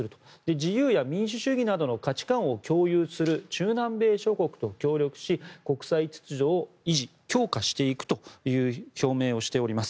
自由や民主主義などの価値観を共有する中南米諸国と協力し国際秩序を維持・強化していくという表明をしております。